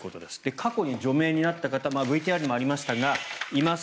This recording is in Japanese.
過去に除名になった方ＶＴＲにもありましたがいます。